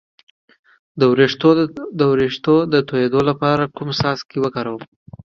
د ویښتو د تویدو لپاره کوم څاڅکي وکاروم؟